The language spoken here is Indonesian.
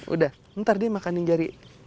udah ntar dia makan yang jari